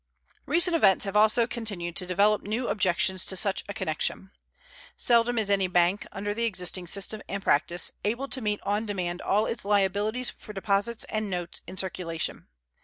Recent events have also continued to develop new objections to such a connection. Seldom is any bank, under the existing system and practice, able to meet on demand all its liabilities for deposits and notes in circulation.